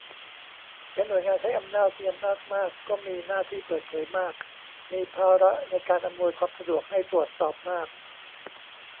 เป็นหน่วยงานใช้อำนาจ มีอำนาจมาก ก็มีหน้าที่เปิดเผยมาก มีภาระในการอำนวยความสะดวกให้ตรวจสอบมาก